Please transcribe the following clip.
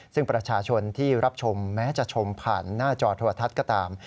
ซึ่งประชาชนที่รับชมแม้จะชมผ่านหน้าจอโทรทัศน์ก็ตาม